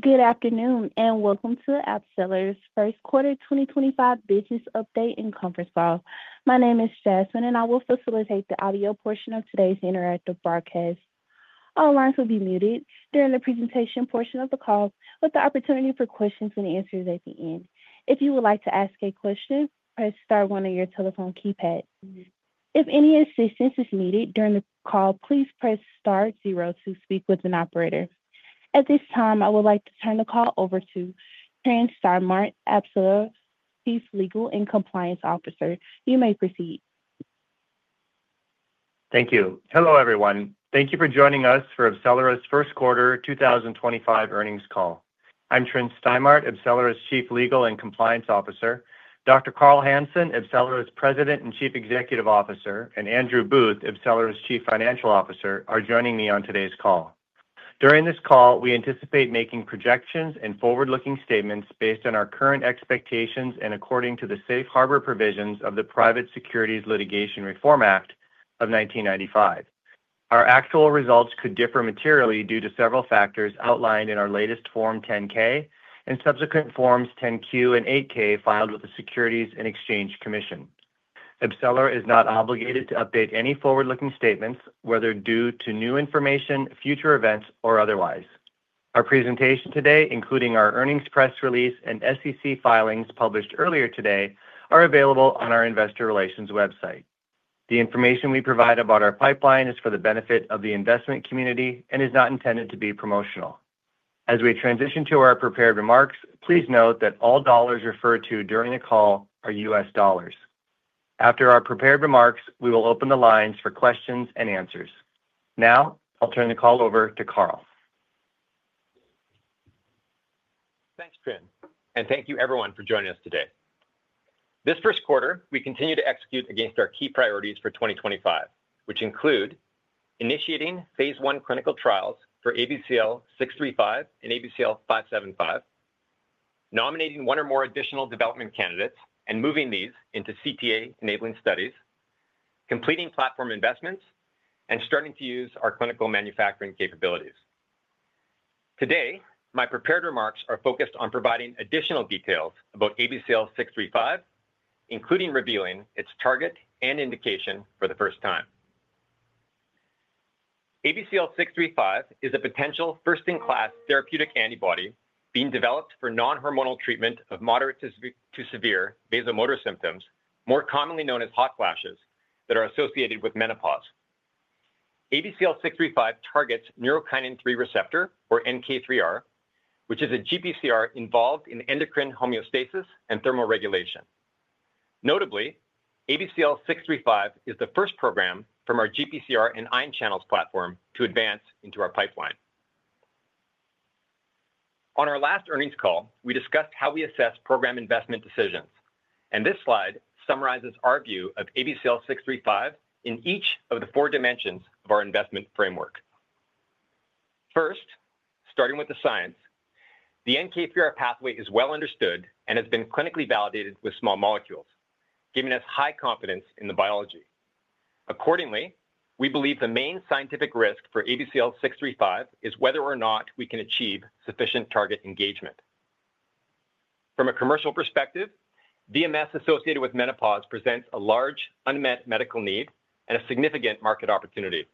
Good afternoon and welcome to AbCellera's First Quarter 2025 Business Update and Conference Call. My name is Jasmine, and I will facilitate the audio portion of today's interactive broadcast. All lines will be muted during the presentation portion of the call, with the opportunity for questions and answers at the end. If you would like to ask a question, press star one on your telephone keypad. If any assistance is needed during the call, please press star zero to speak with an operator. At this time, I would like to turn the call over to Tryn Stimart, AbCellera Chief Legal and Compliance Officer. You may proceed. Thank you. Hello, everyone. Thank you for joining us for AbCellera's First Quarter 2025 Earnings Call. I'm Tryn Stimart, AbCellera's Chief Legal and Compliance Officer. Dr. Carl Hansen, AbCellera's President and Chief Executive Officer, and Andrew Booth, AbCellera's Chief Financial Officer, are joining me on today's call. During this call, we anticipate making projections and forward-looking statements based on our current expectations and according to the safe harbor provisions of the Private Securities Litigation Reform Act of 1995. Our actual results could differ materially due to several factors outlined in our latest Form 10-K and subsequent Forms 10-Q and 8-K filed with the Securities and Exchange Commission. AbCellera is not obligated to update any forward-looking statements, whether due to new information, future events, or otherwise. Our presentation today, including our earnings press release and SEC filings published earlier today, are available on our investor relations website. The information we provide about our pipeline is for the benefit of the investment community and is not intended to be promotional. As we transition to our prepared remarks, please note that all dollars referred to during the call are U.S. dollars. After our prepared remarks, we will open the lines for questions and answers. Now, I'll turn the call over to Carl. Thanks, Tryn, and thank you, everyone, for joining us today. This first quarter, we continue to execute against our key priorities for 2025, which include initiating phase I clinical trials for ABCL635 and ABCL575, nominating one or more additional development candidates, and moving these into CTA-enabling studies, completing platform investments, and starting to use our clinical manufacturing capabilities. Today, my prepared remarks are focused on providing additional details about ABCL635, including revealing its target and indication for the first time. ABCL635 is a potential first-in-class therapeutic antibody being developed for non-hormonal treatment of moderate to severe vasomotor symptoms, more commonly known as hot flashes, that are associated with menopause. ABCL635 targets neurokinin-3 receptor, or NK3R, which is a GPCR involved in endocrine homeostasis and thermoregulation. Notably, ABCL635 is the first program from our GPCR and ion channels platform to advance into our pipeline. On our last earnings call, we discussed how we assess program investment decisions, and this slide summarizes our view of ABCL635 in each of the four dimensions of our investment framework. First, starting with the science, the NK3R pathway is well understood and has been clinically validated with small molecules, giving us high confidence in the biology. Accordingly, we believe the main scientific risk for ABCL635 is whether or not we can achieve sufficient target engagement. From a commercial perspective, VMS associated with menopause presents a large unmet medical need and a significant market opportunity.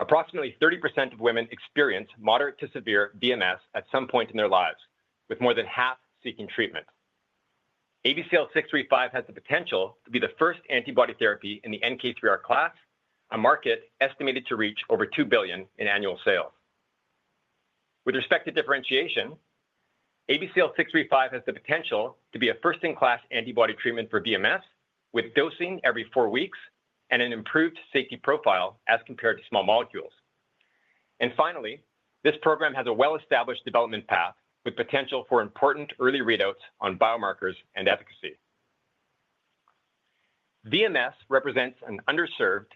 Approximately 30% of women experience moderate to severe VMS at some point in their lives, with more than half seeking treatment. ABCL635 has the potential to be the first antibody therapy in the NK3R class, a market estimated to reach over $2 billion in annual sales. With respect to differentiation, ABCL635 has the potential to be a first-in-class antibody treatment for VMS, with dosing every four weeks and an improved safety profile as compared to small molecules. This program has a well-established development path with potential for important early readouts on biomarkers and efficacy. VMS represents an underserved,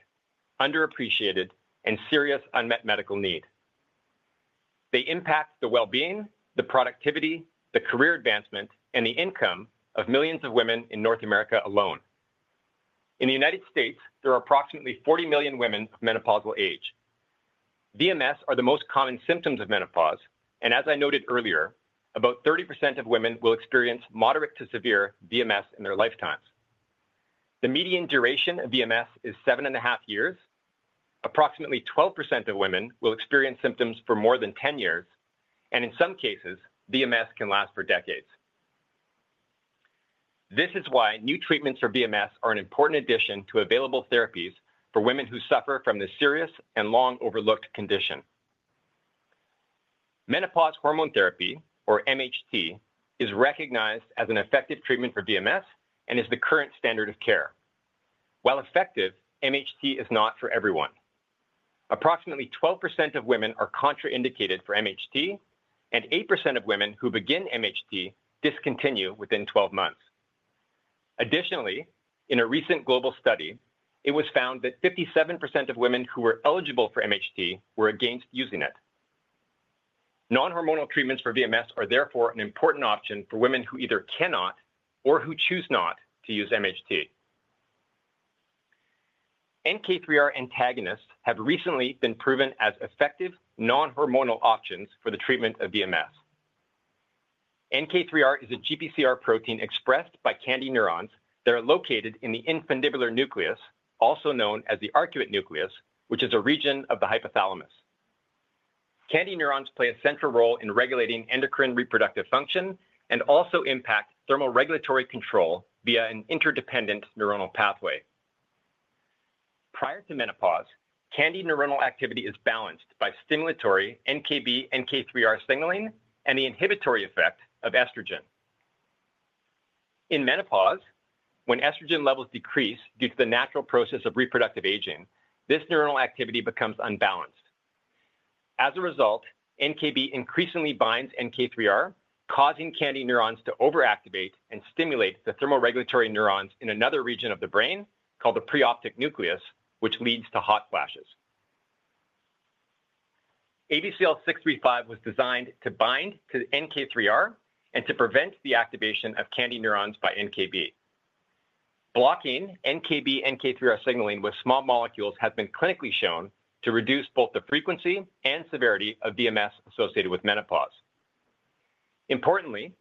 underappreciated, and serious unmet medical need. They impact the well-being, the productivity, the career advancement, and the income of millions of women in North America alone. In the U.S., there are approximately 40 million women of menopausal age. VMS are the most common symptoms of menopause, and as I noted earlier, about 30% of women will experience moderate to severe VMS in their lifetimes. The median duration of VMS is seven and a half years. Approximately 12% of women will experience symptoms for more than 10 years, and in some cases, VMS can last for decades. This is why new treatments for VMS are an important addition to available therapies for women who suffer from this serious and long-overlooked condition. Menopause Hormone Therapy, or MHT, is recognized as an effective treatment for VMS and is the current standard of care. While effective, MHT is not for everyone. Approximately 12% of women are contraindicated for MHT, and 8% of women who begin MHT discontinue within 12 months. Additionally, in a recent global study, it was found that 57% of women who were eligible for MHT were against using it. Non-hormonal treatments for VMS are therefore an important option for women who either cannot or who choose not to use MHT. NK3R antagonists have recently been proven as effective non-hormonal options for the treatment of VMS. NK3R is a GPCR protein expressed by KNDy neurons that are located in the infundibular nucleus, also known as the arcuate nucleus, which is a region of the hypothalamus. KNDy neurons play a central role in regulating endocrine reproductive function and also impact thermoregulatory control via an interdependent neuronal pathway. Prior to menopause, KNDy neuronal activity is balanced by stimulatory NKB-NK3R signaling and the inhibitory effect of estrogen. In menopause, when estrogen levels decrease due to the natural process of reproductive aging, this neuronal activity becomes unbalanced. As a result, NKB increasingly binds NK3R, causing KNDy neurons to overactivate and stimulate the thermoregulatory neurons in another region of the brain called the preoptic nucleus, which leads to hot flashes. ABCL635 was designed to bind to NK3R and to prevent the activation of KNDy neurons by NKB. Blocking NKB-NK3R signaling with small molecules has been clinically shown to reduce both the frequency and severity of VMS associated with menopause. Importantly,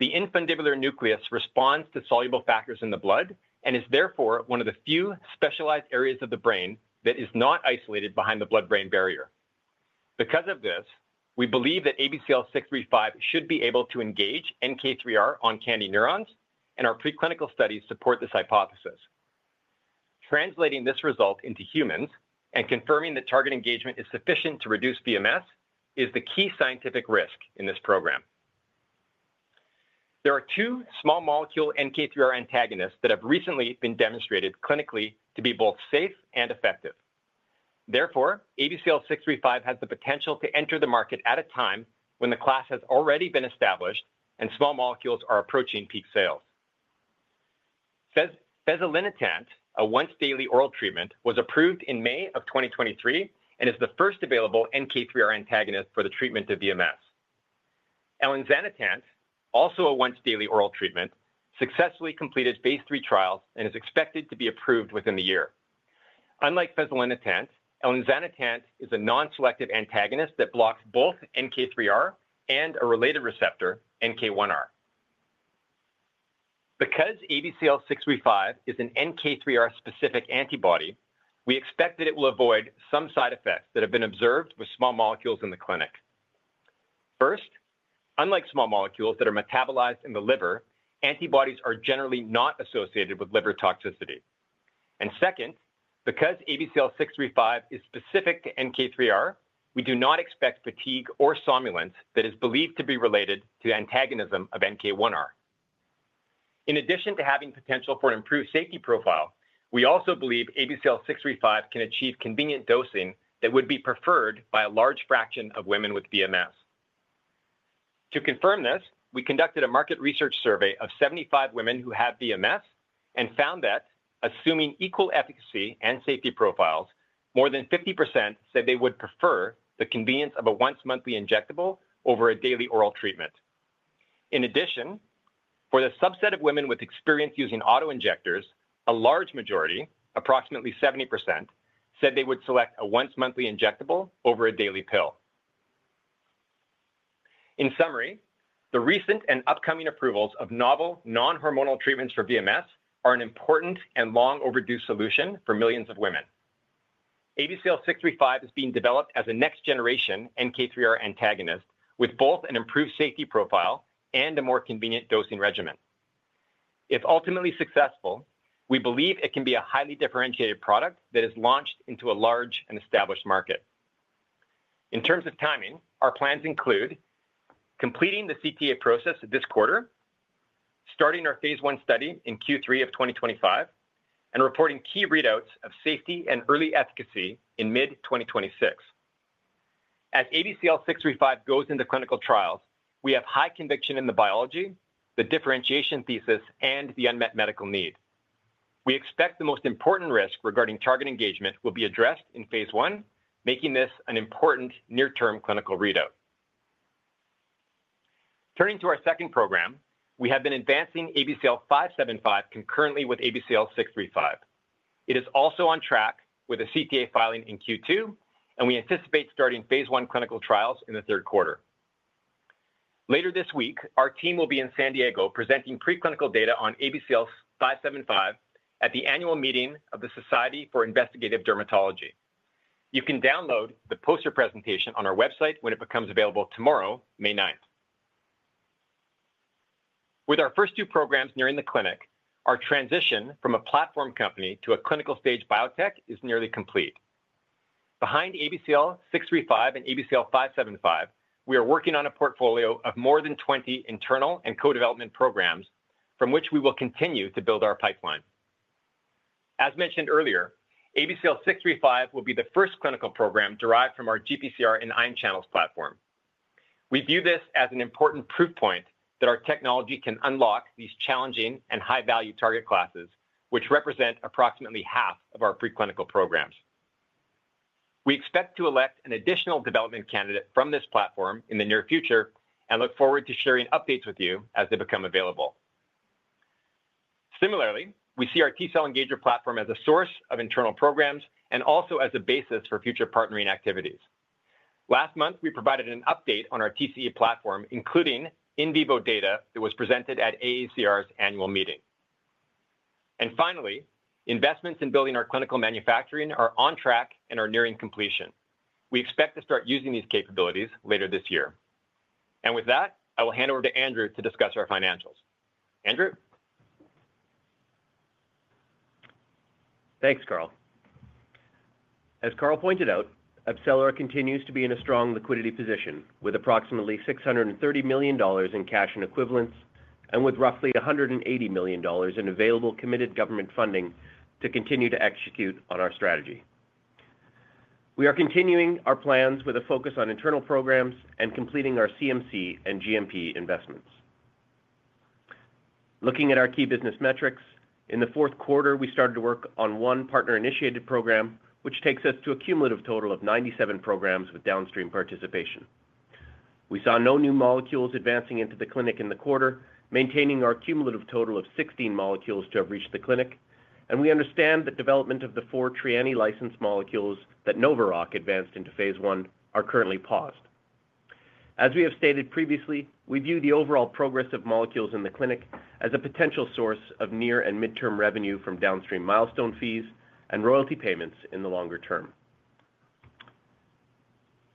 the infundibular nucleus responds to soluble factors in the blood and is therefore one of the few specialized areas of the brain that is not isolated behind the blood-brain barrier. Because of this, we believe that ABCL635 should be able to engage NK3R on KNDy neurons, and our preclinical studies support this hypothesis. Translating this result into humans and confirming that target engagement is sufficient to reduce VMS is the key scientific risk in this program. There are two small molecule NK3R antagonists that have recently been demonstrated clinically to be both safe and effective. Therefore, ABCL635 has the potential to enter the market at a time when the class has already been established and small molecules are approaching peak sales. Fezolinetant, a once-daily oral treatment, was approved in May of 2023 and is the first available NK3R antagonist for the treatment of VMS. Elinzanetant, also a once-daily oral treatment, successfully completed phase three trials and is expected to be approved within the year. Unlike Fezolinetant, Elinzanetant is a non-selective antagonist that blocks both NK3R and a related receptor, NK1R. Because ABCL635 is an NK3R-specific antibody, we expect that it will avoid some side effects that have been observed with small molecules in the clinic. First, unlike small molecules that are metabolized in the liver, antibodies are generally not associated with liver toxicity. Second, because ABCL635 is specific to NK3R, we do not expect fatigue or somnolence that is believed to be related to the antagonism of NK1R. In addition to having potential for an improved safety profile, we also believe ABCL635 can achieve convenient dosing that would be preferred by a large fraction of women with VMS. To confirm this, we conducted a market research survey of 75 women who have VMS and found that, assuming equal efficacy and safety profiles, more than 50% said they would prefer the convenience of a once-monthly injectable over a daily oral treatment. In addition, for the subset of women with experience using autoinjectors, a large majority, approximately 70%, said they would select a once-monthly injectable over a daily pill. In summary, the recent and upcoming approvals of novel non-hormonal treatments for VMS are an important and long-overdue solution for millions of women. ABCL635 is being developed as a next-generation NK3R antagonist with both an improved safety profile and a more convenient dosing regimen. If ultimately successful, we believe it can be a highly differentiated product that is launched into a large and established market. In terms of timing, our plans include completing the CTA process this quarter, starting our phase I study in Q3 of 2025, and reporting key readouts of safety and early efficacy in mid-2026. As ABCL635 goes into clinical trials, we have high conviction in the biology, the differentiation thesis, and the unmet medical need. We expect the most important risk regarding target engagement will be addressed in phase I, making this an important near-term clinical readout. Turning to our second program, we have been advancing ABCL575 concurrently with ABCL635. It is also on track with a CTA filing in Q2, and we anticipate starting phase I clinical trials in the third quarter. Later this week, our team will be in San Diego presenting preclinical data on ABCL575 at the annual meeting of the Society for Investigative Dermatology. You can download the poster presentation on our website when it becomes available tomorrow, May 9th. With our first two programs nearing the clinic, our transition from a platform company to a clinical-stage biotech is nearly complete. Behind ABCL635 and ABCL575, we are working on a portfolio of more than 20 internal and co-development programs from which we will continue to build our pipeline. As mentioned earlier, ABCL635 will be the first clinical program derived from our GPCR and ion channels platform. We view this as an important proof point that our technology can unlock these challenging and high-value target classes, which represent approximately half of our preclinical programs. We expect to elect an additional development candidate from this platform in the near future and look forward to sharing updates with you as they become available. Similarly, we see our T-cell engager platform as a source of internal programs and also as a basis for future partnering activities. Last month, we provided an update on our TCE platform, including in vivo data that was presented at AACR's annual meeting. Finally, investments in building our clinical manufacturing are on track and are nearing completion. We expect to start using these capabilities later this year. With that, I will hand over to Andrew to discuss our financials. Andrew? Thanks, Carl. As Carl pointed out, AbCellera continues to be in a strong liquidity position with approximately $630 million in cash and equivalents and with roughly $180 million in available committed government funding to continue to execute on our strategy. We are continuing our plans with a focus on internal programs and completing our CMC and GMP investments. Looking at our key business metrics, in the fourth quarter, we started to work on one partner-initiated program, which takes us to a cumulative total of 97 programs with downstream participation. We saw no new molecules advancing into the clinic in the quarter, maintaining our cumulative total of 16 molecules to have reached the clinic, and we understand the development of the four Trianni licensed molecules that Novavax advanced into phase one are currently paused. As we have stated previously, we view the overall progress of molecules in the clinic as a potential source of near and mid-term revenue from downstream milestone fees and royalty payments in the longer term.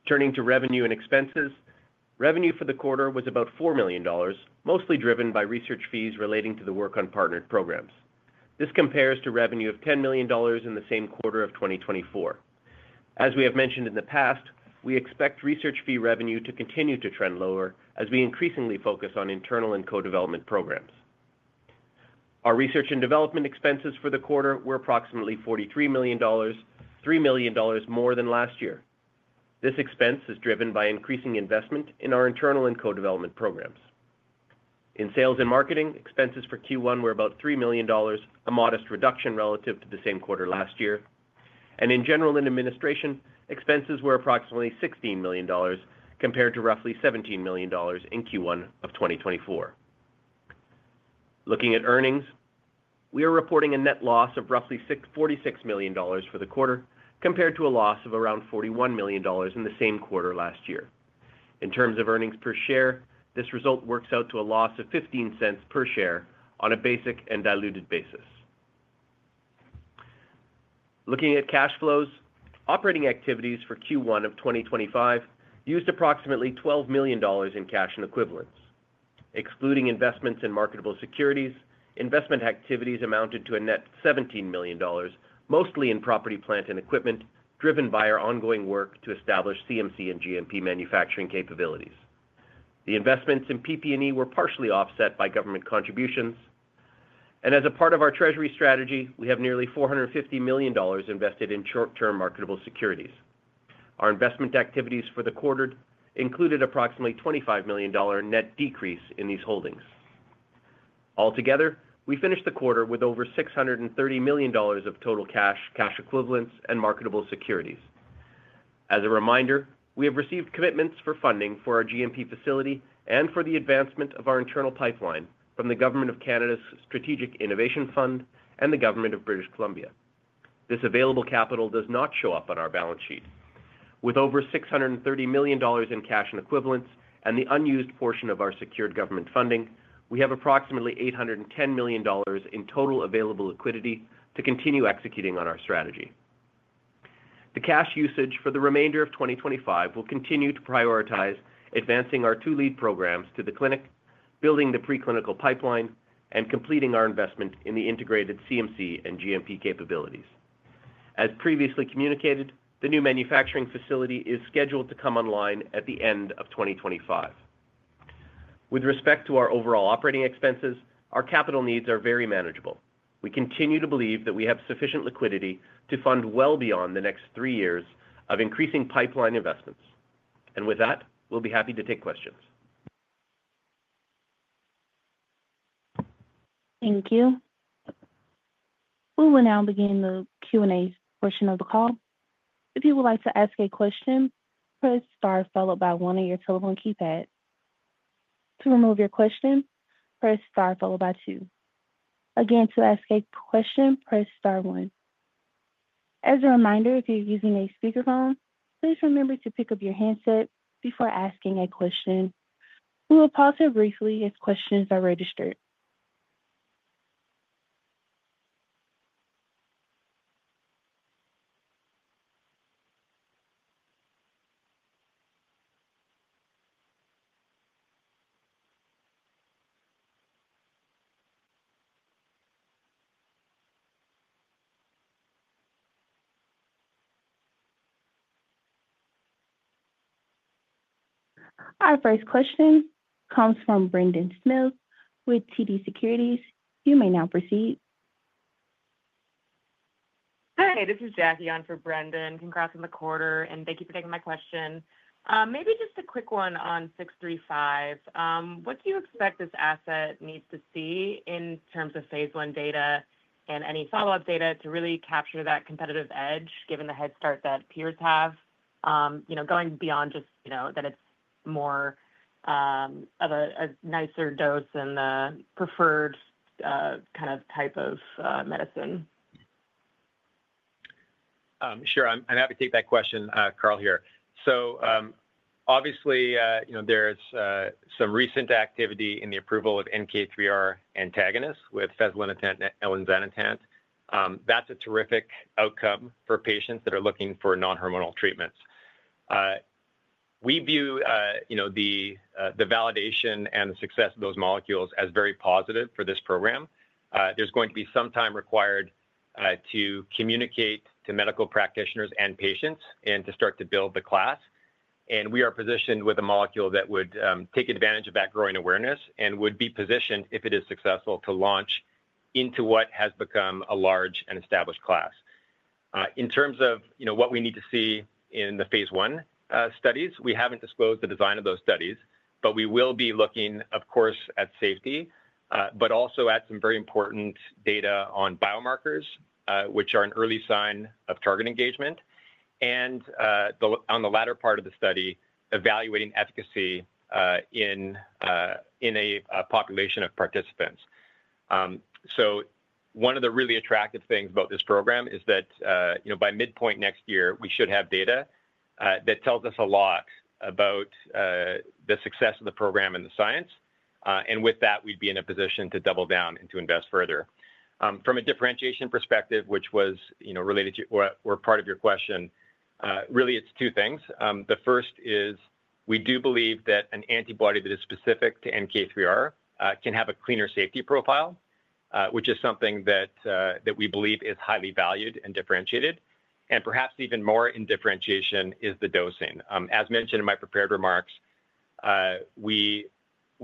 Turning to revenue and expenses, revenue for the quarter was about $4 million, mostly driven by research fees relating to the work on partnered programs. This compares to revenue of $10 million in the same quarter of 2024. As we have mentioned in the past, we expect research fee revenue to continue to trend lower as we increasingly focus on internal and co-development programs. Our research and development expenses for the quarter were approximately $43 million, $3 million more than last year. This expense is driven by increasing investment in our internal and co-development programs. In sales and marketing, expenses for Q1 were about $3 million, a modest reduction relative to the same quarter last year. In general administration, expenses were approximately $16 million compared to roughly $17 million in Q1 of 2024. Looking at earnings, we are reporting a net loss of roughly $46 million for the quarter compared to a loss of around $41 million in the same quarter last year. In terms of earnings per share, this result works out to a loss of $0.15 per share on a basic and diluted basis. Looking at cash flows, operating activities for Q1 of 2025 used approximately $12 million in cash and equivalents. Excluding investments in marketable securities, investment activities amounted to a net $17 million, mostly in property, plant, and equipment driven by our ongoing work to establish CMC and GMP manufacturing capabilities. The investments in PP&E were partially offset by government contributions. As a part of our treasury strategy, we have nearly $450 million invested in short-term marketable securities. Our investment activities for the quarter included approximately a $25 million net decrease in these holdings. Altogether, we finished the quarter with over $630 million of total cash, cash equivalents, and marketable securities. As a reminder, we have received commitments for funding for our GMP facility and for the advancement of our internal pipeline from the Government of Canada's Strategic Innovation Fund and the Government of British Columbia. This available capital does not show up on our balance sheet. With over $630 million in cash and equivalents and the unused portion of our secured government funding, we have approximately $810 million in total available liquidity to continue executing on our strategy. The cash usage for the remainder of 2025 will continue to prioritize advancing our two lead programs to the clinic, building the preclinical pipeline, and completing our investment in the integrated CMC and GMP capabilities. As previously communicated, the new manufacturing facility is scheduled to come online at the end of 2025. With respect to our overall operating expenses, our capital needs are very manageable. We continue to believe that we have sufficient liquidity to fund well beyond the next three years of increasing pipeline investments. With that, we'll be happy to take questions. Thank you. We will now begin the Q&A portion of the call. If you would like to ask a question, press star followed by one on your telephone keypad. To remove your question, press star followed by two. Again, to ask a question, press star one. As a reminder, if you're using a speakerphone, please remember to pick up your handset before asking a question. We will pause here briefly if questions are registered. Our first question comes from Brendan Smith with TD Securities. You may now proceed. Hi, this is Jackie on for Brendan. Congrats on the quarter, and thank you for taking my question. Maybe just a quick one on 635. What do you expect this asset needs to see in terms of phase I data and any follow-up data to really capture that competitive edge given the head start that peers have? Going beyond just that, it's more of a nicer dose than the preferred kind of type of medicine. Sure. I'm happy to take that question, Carl here. Obviously, there's some recent activity in the approval of NK3R antagonists with Fezolinetant and Elinzanetant. That's a terrific outcome for patients that are looking for non-hormonal treatments. We view the validation and the success of those molecules as very positive for this program. There's going to be some time required to communicate to medical practitioners and patients and to start to build the class. We are positioned with a molecule that would take advantage of that growing awareness and would be positioned, if it is successful, to launch into what has become a large and established class. In terms of what we need to see in the phase I studies, we have not disclosed the design of those studies, but we will be looking, of course, at safety, but also at some very important data on biomarkers, which are an early sign of target engagement. On the latter part of the study, evaluating efficacy in a population of participants. One of the really attractive things about this program is that by midpoint next year, we should have data that tells us a lot about the success of the program and the science. With that, we would be in a position to double down and to invest further. From a differentiation perspective, which was related to part of your question, really, it's two things. The first is we do believe that an antibody that is specific to NK3R can have a cleaner safety profile, which is something that we believe is highly valued and differentiated. Perhaps even more in differentiation is the dosing. As mentioned in my prepared remarks, we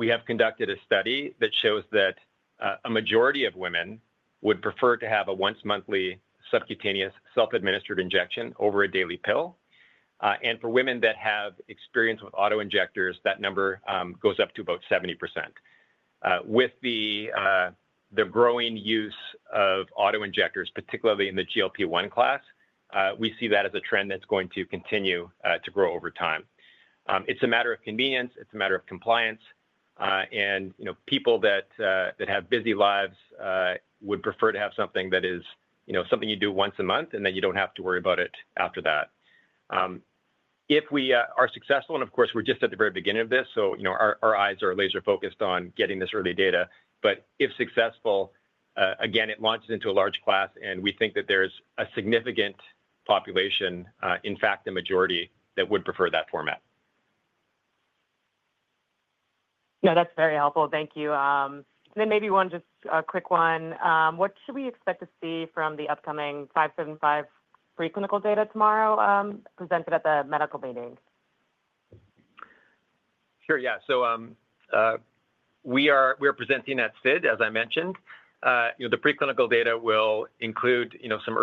have conducted a study that shows that a majority of women would prefer to have a once-monthly subcutaneous self-administered injection over a daily pill. For women that have experience with autoinjectors, that number goes up to about 70%. With the growing use of autoinjectors, particularly in the GLP-1 class, we see that as a trend that's going to continue to grow over time. It's a matter of convenience. It's a matter of compliance. People that have busy lives would prefer to have something that is something you do once a month and then you don't have to worry about it after that. If we are successful, and of course, we're just at the very beginning of this, our eyes are laser-focused on getting this early data. If successful, again, it launches into a large class, and we think that there's a significant population, in fact, a majority that would prefer that format. Yeah, that's very helpful. Thank you. Maybe just a quick one. What should we expect to see from the upcoming 575 preclinical data tomorrow presented at the medical meeting? Sure. Yeah. We are presenting at SID, as I mentioned. The preclinical data will include some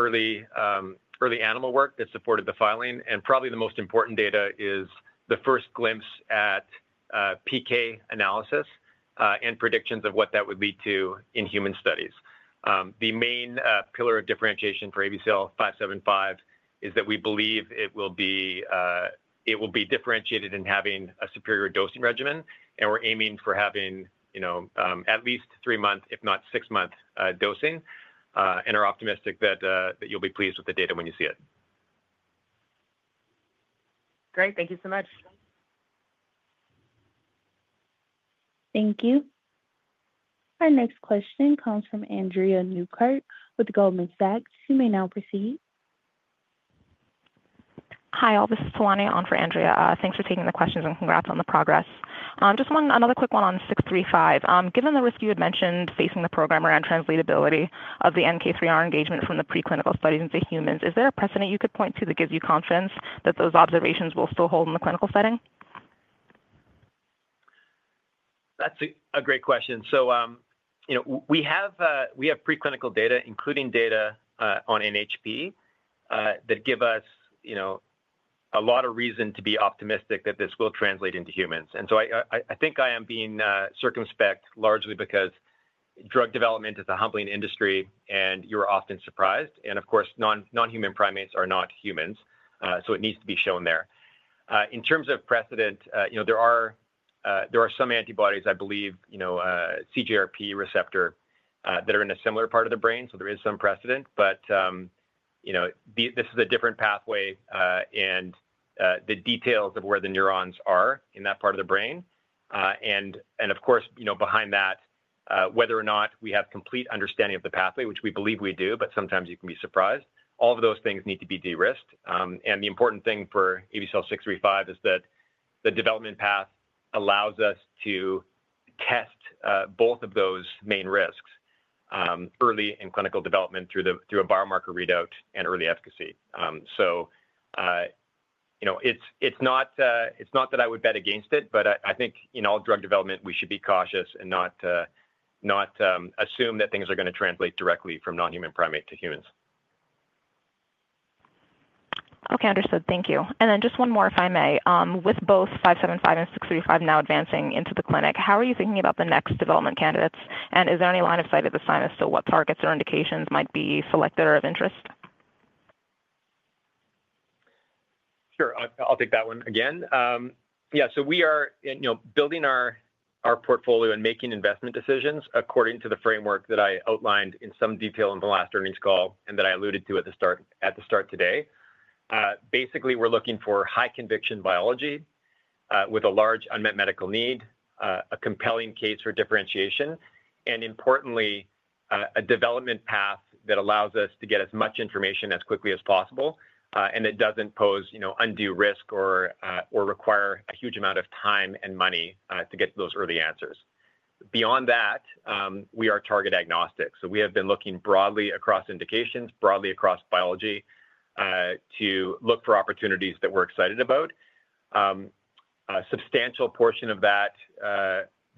early animal work that supported the filing. Probably the most important data is the first glimpse at PK analysis and predictions of what that would lead to in human studies. The main pillar of differentiation for ABCL575 is that we believe it will be differentiated in having a superior dosing regimen. We are aiming for having at least three-month, if not six-month dosing. We are optimistic that you will be pleased with the data when you see it. Great. Thank you so much. Thank you. Our next question comes from Andrea Newkirk with Goldman Sachs. You may now proceed. Hi, all. This is Telani on for Andrea. Thanks for taking the questions and congrats on the progress. Just another quick one on 635. Given the risk you had mentioned facing the program around translatability of the NK3R engagement from the preclinical studies into humans, is there a precedent you could point to that gives you confidence that those observations will still hold in the clinical setting? That's a great question. We have preclinical data, including data on NHP, that give us a lot of reason to be optimistic that this will translate into humans. I think I am being circumspect largely because drug development is a humbling industry, and you're often surprised. Of course, non-human primates are not humans, so it needs to be shown there. In terms of precedent, there are some antibodies, I believe, CGRP receptor, that are in a similar part of the brain. There is some precedent. This is a different pathway and the details of where the neurons are in that part of the brain. Of course, behind that, whether or not we have complete understanding of the pathway, which we believe we do, but sometimes you can be surprised, all of those things need to be de-risked. The important thing for ABCL635 is that the development path allows us to test both of those main risks early in clinical development through a biomarker readout and early efficacy. It's not that I would bet against it, but I think in all drug development, we should be cautious and not assume that things are going to translate directly from non-human primate to humans. Okay. Understood. Thank you. Just one more, if I may. With both 575 and 635 now advancing into the clinic, how are you thinking about the next development candidates? Is there any line of sight at this time as to what targets or indications might be selected or of interest? Sure. I'll take that one again. Yeah. We are building our portfolio and making investment decisions according to the framework that I outlined in some detail in the last earnings call and that I alluded to at the start today. Basically, we're looking for high conviction biology with a large unmet medical need, a compelling case for differentiation, and importantly, a development path that allows us to get as much information as quickly as possible and that does not pose undue risk or require a huge amount of time and money to get to those early answers. Beyond that, we are target agnostic. We have been looking broadly across indications, broadly across biology to look for opportunities that we're excited about. A substantial portion of that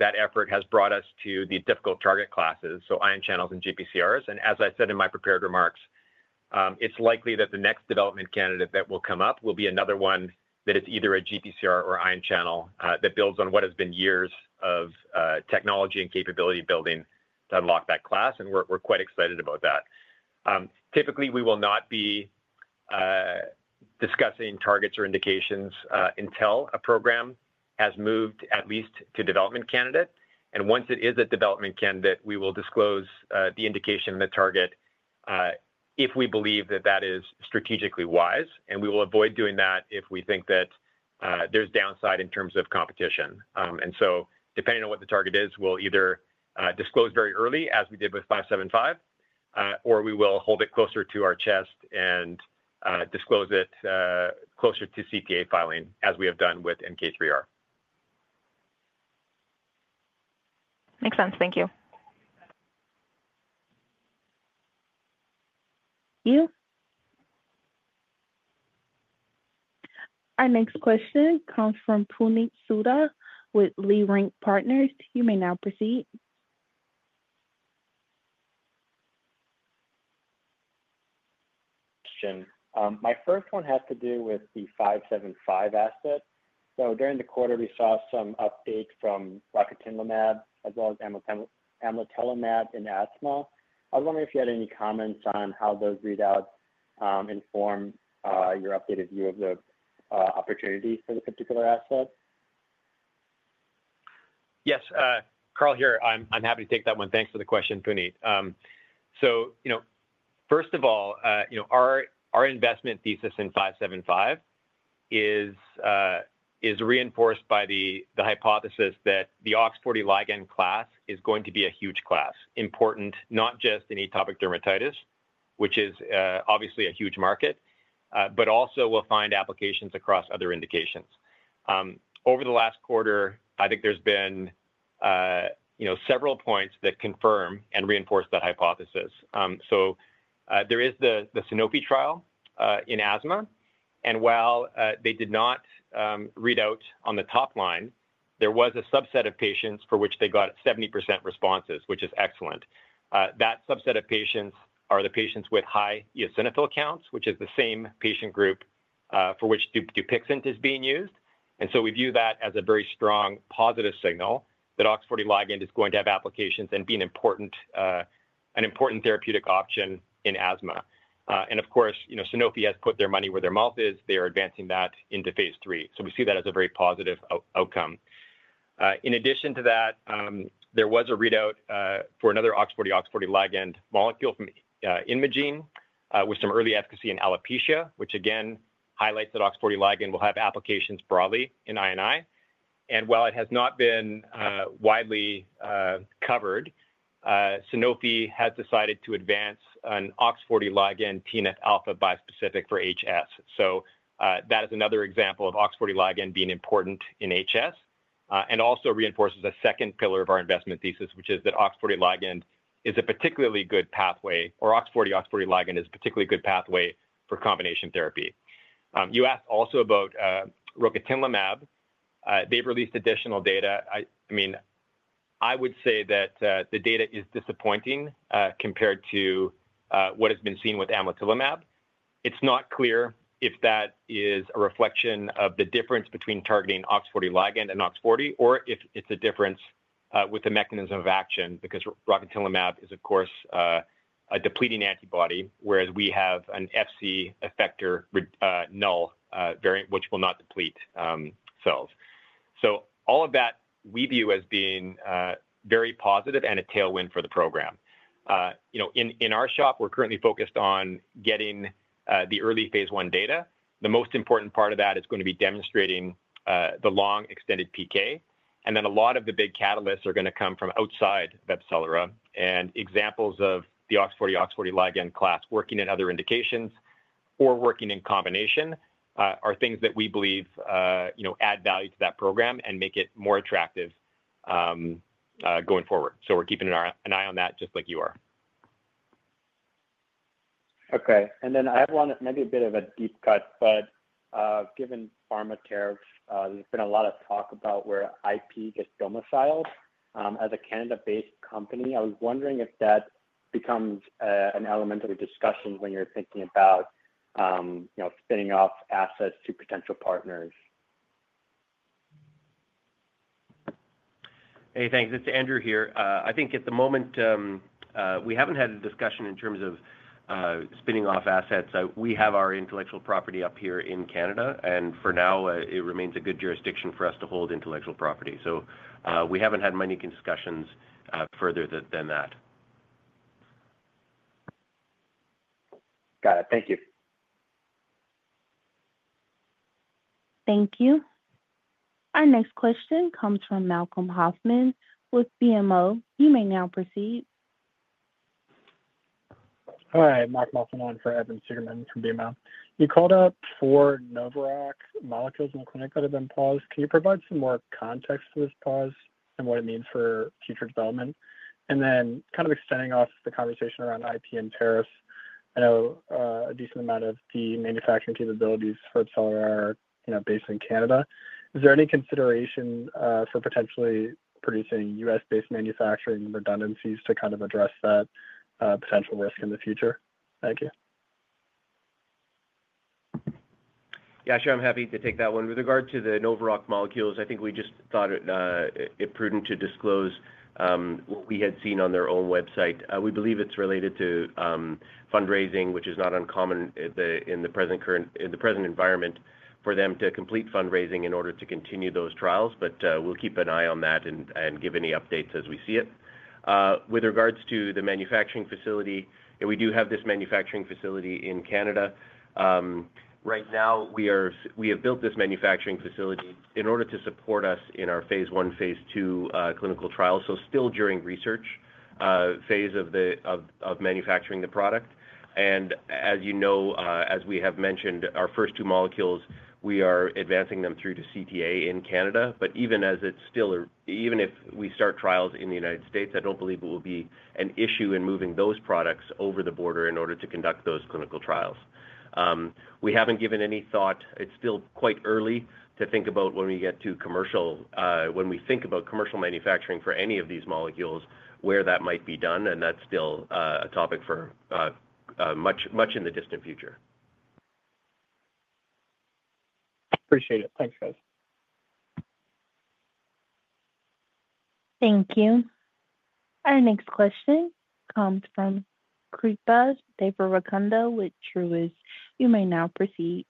effort has brought us to the difficult target classes, so ion channels and GPCRs. As I said in my prepared remarks, it's likely that the next development candidate that will come up will be another one that is either a GPCR or ion channel that builds on what has been years of technology and capability building to unlock that class. We're quite excited about that. Typically, we will not be discussing targets or indications until a program has moved at least to development candidate. Once it is a development candidate, we will disclose the indication and the target if we believe that that is strategically wise. We will avoid doing that if we think that there's downside in terms of competition. Depending on what the target is, we'll either disclose very early, as we did with 575, or we will hold it closer to our chest and disclose it closer to CTA filing, as we have done with NK3R. Makes sense. Thank you. Our next question comes from Puneet Souha with Leerink Partners. You may now proceed. My first one has to do with the 575 asset. During the quarter, we saw some updates from Rocatinlimab as well as Amlitelimab and asthma. I was wondering if you had any comments on how those readouts inform your updated view of the opportunities for the particular asset. Yes. Carl here. I'm happy to take that one. Thanks for the question, Puneet. First of all, our investment thesis in 575 is reinforced by the hypothesis that the OX40 ligand class is going to be a huge class, important not just in atopic dermatitis, which is obviously a huge market, but also will find applications across other indications. Over the last quarter, I think there's been several points that confirm and reinforce that hypothesis. There is the Sanofi trial in asthma. While they did not read out on the top line, there was a subset of patients for which they got 70% responses, which is excellent. That subset of patients are the patients with high eosinophil counts, which is the same patient group for which DUPIXENT is being used. We view that as a very strong positive signal that OX40 ligand is going to have applications and be an important therapeutic option in asthma. Of course, Sanofi has put their money where their mouth is. They are advancing that into phase three. We see that as a very positive outcome. In addition to that, there was a readout for another OX40, OX40 ligand molecule imaging with some early efficacy in alopecia, which again highlights that OX40 ligand will have applications broadly in INI. While it has not been widely covered, Sanofi has decided to advance an OX40 ligand TNF-alpha bispecific for HS. That is another example of OX40 ligand being important in HS and also reinforces a second pillar of our investment thesis, which is that OX40 ligand is a particularly good pathway, or OX40, OX40 ligand is a particularly good pathway for combination therapy. You asked also about Rocatinlimab. They've released additional data. I mean, I would say that the data is disappointing compared to what has been seen with Amlitelimab. It's not clear if that is a reflection of the difference between targeting OX40 ligand and OX40, or if it's a difference with the mechanism of action because Rocatinlimab is, of course, a depleting antibody, whereas we have an Fc effector null variant, which will not deplete cells. All of that we view as being very positive and a tailwind for the program. In our shop, we're currently focused on getting the early phase one data. The most important part of that is going to be demonstrating the long extended PK. A lot of the big catalysts are going to come from outside AbCellera. Examples of the OX40, OX40 ligand class working in other indications or working in combination are things that we believe add value to that program and make it more attractive going forward. We are keeping an eye on that just like you are. Okay. I have one that is maybe a bit of a deep cut, but given pharmacare, there has been a lot of talk about where IP gets domiciled. As a Canada-based company, I was wondering if that becomes an element of the discussion when you are thinking about spinning off assets to potential partners. Hey, thanks. It is Andrew here. I think at the moment, we have not had a discussion in terms of spinning off assets. We have our intellectual property up here in Canada. For now, it remains a good jurisdiction for us to hold intellectual property. We have not had many discussions further than that. Got it. Thank you. Thank you. Our next question comes from Malcolm Hoffman with BMO. You may now proceed. Hi. Mark Mossman on for Evan Seigerman from BMO. You called out four Novavax molecules in the clinic that have been paused. Can you provide some more context to this pause and what it means for future development? And then kind of extending off the conversation around IP and tariffs, I know a decent amount of the manufacturing capabilities for AbCellera are based in Canada. Is there any consideration for potentially producing US-based manufacturing redundancies to kind of address that potential risk in the future? Thank you. Yeah, sure. I am happy to take that one. With regard to the Novavax molecules, I think we just thought it prudent to disclose what we had seen on their own website. We believe it's related to fundraising, which is not uncommon in the present environment for them to complete fundraising in order to continue those trials. We'll keep an eye on that and give any updates as we see it. With regards to the manufacturing facility, we do have this manufacturing facility in Canada. Right now, we have built this manufacturing facility in order to support us in our phase one, phase two clinical trials, so still during research phase of manufacturing the product. As you know, as we have mentioned, our first two molecules, we are advancing them through to CTA in Canada. Even as it's still, even if we start trials in the United States, I don't believe it will be an issue in moving those products over the border in order to conduct those clinical trials. We haven't given any thought. It's still quite early to think about when we get to commercial, when we think about commercial manufacturing for any of these molecules, where that might be done. That's still a topic for much in the distant future. Appreciate it. Thanks, guys. Thank you. Our next question comes from Kripa Devarakonda, with Truist. You may now proceed.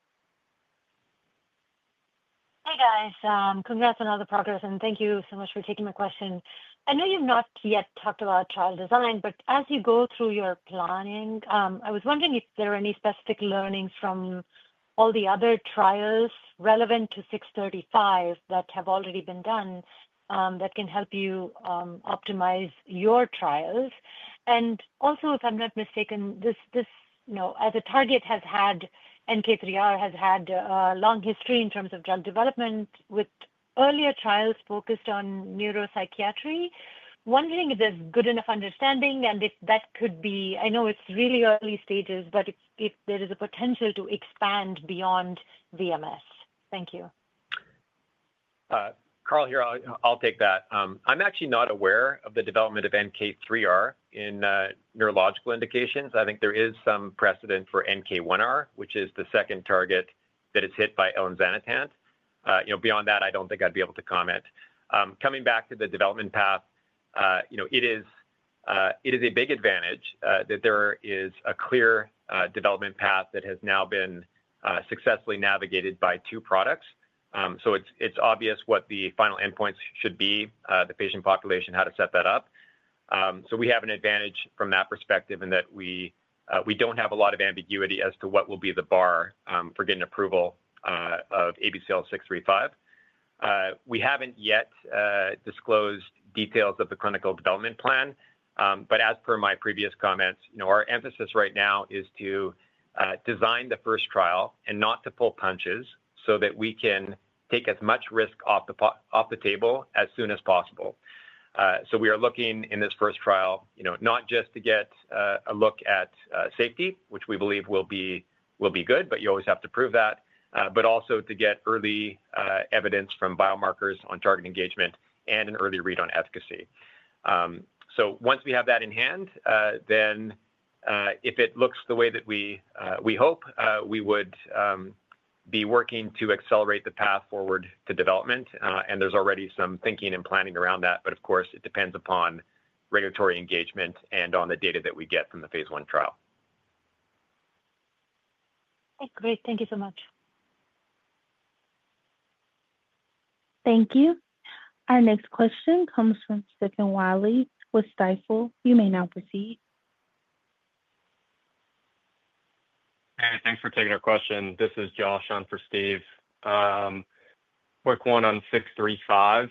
Hey, guys. Congrats on all the progress. Thank you so much for taking my question. I know you've not yet talked about trial design, but as you go through your planning, I was wondering if there are any specific learnings from all the other trials relevant to 635 that have already been done that can help you optimize your trials. Also, if I'm not mistaken, as a target, NK3R has had a long history in terms of drug development with earlier trials focused on neuropsychiatry. Wondering if there's good enough understanding and if that could be, I know it's really early stages, but if there is a potential to expand beyond VMS. Thank you. Carl here. I'll take that. I'm actually not aware of the development of NK3R in neurological indications. I think there is some precedent for NK1R, which is the second target that is hit by Elinzanetant. Beyond that, I don't think I'd be able to comment. Coming back to the development path, it is a big advantage that there is a clear development path that has now been successfully navigated by two products. It's obvious what the final endpoints should be, the patient population, how to set that up. We have an advantage from that perspective in that we don't have a lot of ambiguity as to what will be the bar for getting approval of ABCL635. We haven't yet disclosed details of the clinical development plan. As per my previous comments, our emphasis right now is to design the first trial and not to pull punches so that we can take as much risk off the table as soon as possible. We are looking in this first trial not just to get a look at safety, which we believe will be good, but you always have to prove that, but also to get early evidence from biomarkers on target engagement and an early read on efficacy. Once we have that in hand, if it looks the way that we hope, we would be working to accelerate the path forward to development. There is already some thinking and planning around that. Of course, it depends upon regulatory engagement and on the data that we get from the phase I trial. Great. Thank you so much. Thank you. Our next question comes from Stephen Wiley with Stifel. You may now proceed. Hey, thanks for taking our question. This is Josh on for Steve. Quick one on 635.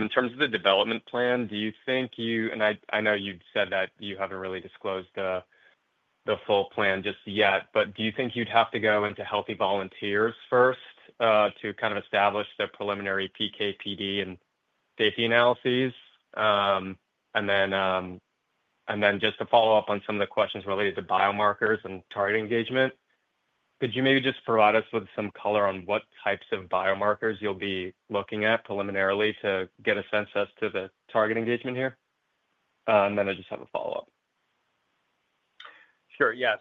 In terms of the development plan, do you think you and I know you've said that you haven't really disclosed the full plan just yet, but do you think you'd have to go into healthy volunteers first to kind of establish the preliminary PK, PD, and safety analyses? Just to follow up on some of the questions related to biomarkers and target engagement, could you maybe just provide us with some color on what types of biomarkers you'll be looking at preliminarily to get a sense as to the target engagement here? I just have a follow-up. Sure. Yeah.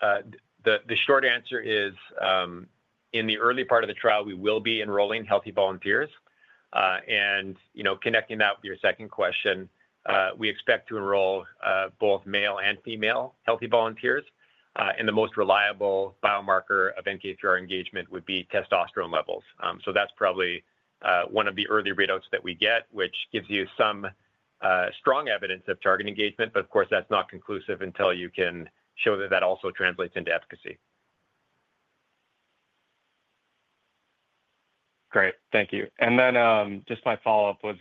The short answer is in the early part of the trial, we will be enrolling healthy volunteers. Connecting that with your second question, we expect to enroll both male and female healthy volunteers. The most reliable biomarker of NK3R engagement would be testosterone levels. That is probably one of the early readouts that we get, which gives you some strong evidence of target engagement. Of course, that is not conclusive until you can show that also translates into efficacy. Great. Thank you. My follow-up was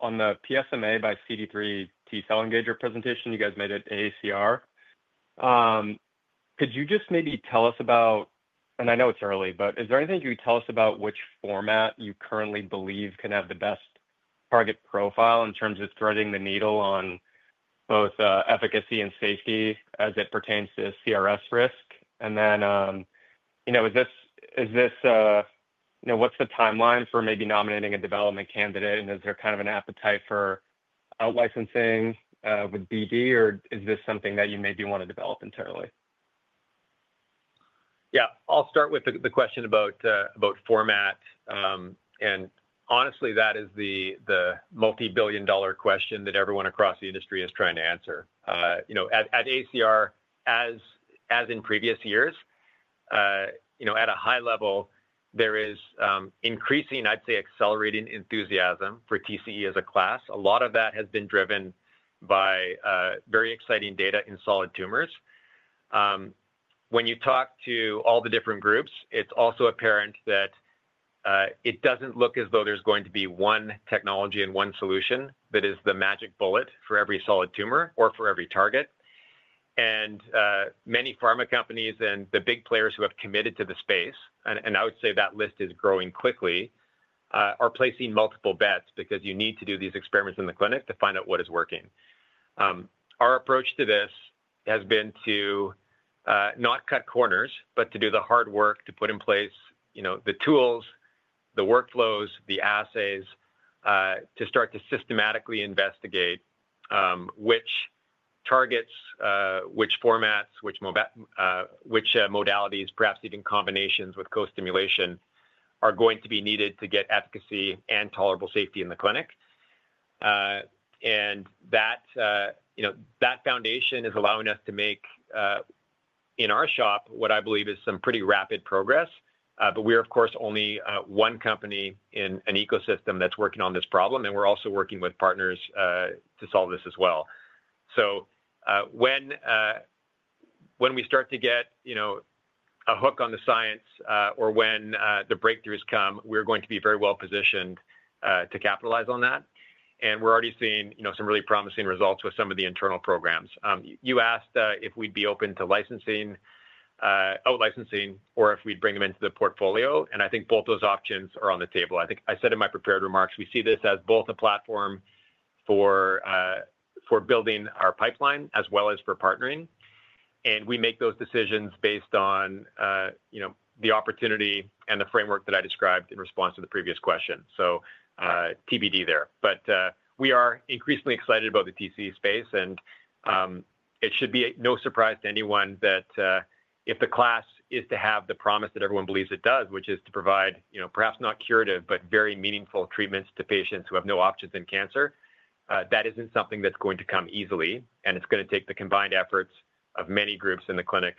on the PSMA by CD3 T-cell engager presentation you guys made at AACR. Could you just maybe tell us about—and I know it's early—but is there anything you could tell us about which format you currently believe can have the best target profile in terms of threading the needle on both efficacy and safety as it pertains to CRS risk? Is this—what's the timeline for maybe nominating a development candidate? Is there kind of an appetite for out-licensing with BD, or is this something that you maybe want to develop internally? Yeah. I'll start with the question about format. Honestly, that is the multi-billion dollar question that everyone across the industry is trying to answer. At AACR, as in previous years, at a high level, there is increasing, I'd say, accelerating enthusiasm for TCE as a class. A lot of that has been driven by very exciting data in solid tumors. When you talk to all the different groups, it's also apparent that it doesn't look as though there's going to be one technology and one solution that is the magic bullet for every solid tumor or for every target. Many pharma companies and the big players who have committed to the space—and I would say that list is growing quickly—are placing multiple bets because you need to do these experiments in the clinic to find out what is working. Our approach to this has been to not cut corners, but to do the hard work to put in place the tools, the workflows, the assays to start to systematically investigate which targets, which formats, which modalities, perhaps even combinations with co-stimulation are going to be needed to get efficacy and tolerable safety in the clinic. That foundation is allowing us to make, in our shop, what I believe is some pretty rapid progress. We are, of course, only one company in an ecosystem that is working on this problem. We are also working with partners to solve this as well. When we start to get a hook on the science or when the breakthroughs come, we are going to be very well positioned to capitalize on that. We are already seeing some really promising results with some of the internal programs. You asked if we would be open to licensing—out-licensing—or if we would bring them into the portfolio. I think both those options are on the table. I said in my prepared remarks, we see this as both a platform for building our pipeline as well as for partnering. We make those decisions based on the opportunity and the framework that I described in response to the previous question. TBD there. We are increasingly excited about the TCE space. It should be no surprise to anyone that if the class is to have the promise that everyone believes it does, which is to provide perhaps not curative, but very meaningful treatments to patients who have no options in cancer, that is not something that is going to come easily. It is going to take the combined efforts of many groups in the clinic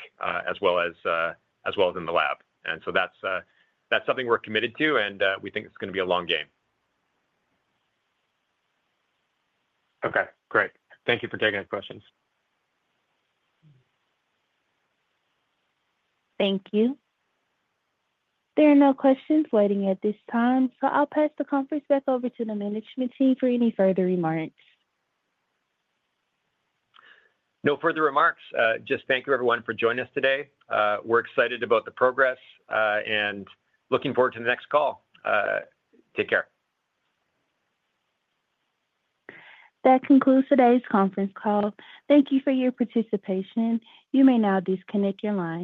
as well as in the lab. That is something we are committed to. We think it is going to be a long game. Okay. Great. Thank you for taking our questions. Thank you. There are no questions waiting at this time. I'll pass the conference back over to the management team for any further remarks. No further remarks. Just thank you, everyone, for joining us today. We're excited about the progress and looking forward to the next call. Take care. That concludes today's conference call. Thank you for your participation. You may now disconnect your line.